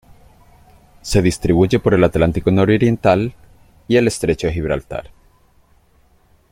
Se distribuye por el Atlántico nororiental y el estrecho de Gibraltar.